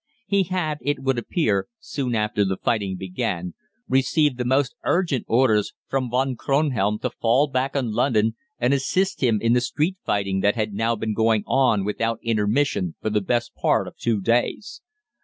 He had, it would appear, soon after the fighting began, received the most urgent orders from Von Kronhelm to fall back on London and assist him in the street fighting that had now been going on without intermission for the best part of two days.